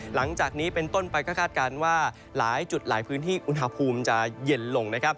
หลังจากนี้เป็นต้นไปก็คาดการณ์ว่าหลายจุดหลายพื้นที่อุณหภูมิจะเย็นลงนะครับ